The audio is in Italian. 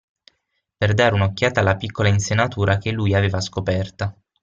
Per dare un'occhiata alla piccola insenatura che lui aveva scoperta.